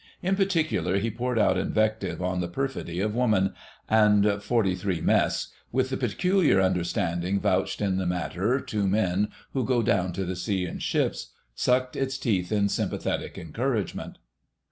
In particular, he poured out invective on the perfidy of Woman, and 43 Mess, with the peculiar understanding vouched in the matter to men who go down to the sea in ships, sucked its teeth in sympathetic encouragement.